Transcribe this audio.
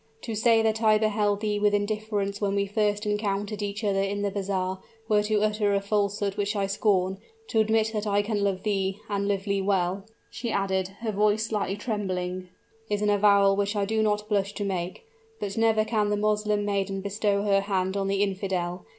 To say that I beheld thee with indifference when we first encountered each other in the bazaar, were to utter a falsehood which I scorn; to admit that I can love thee, and love thee well," she added, her voice slightly trembling, "is an avowal which I do not blush to make. But never can the Moslem maiden bestow her hand on the infidel.